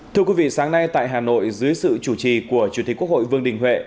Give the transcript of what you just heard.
thưa quý vị sáng nay tại hà nội dưới sự chủ trì của chủ tịch quốc hội vương đình huệ